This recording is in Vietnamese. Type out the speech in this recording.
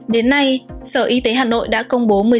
đến nay sở y tế hà nội đã công bố